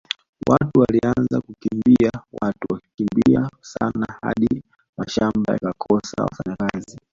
Watu walianza kukimbia watu walikimbia sana hadi mashamba yakakosa wafanyakazi